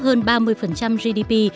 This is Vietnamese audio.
hơn ba mươi gdp